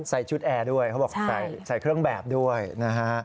ใส่ชุดแอร์ด้วยเขาบอกใส่เครื่องแบบด้วยนะฮะ